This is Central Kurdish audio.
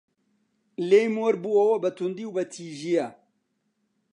لێی مۆڕ بۆوە بە توندی و بە تیژییە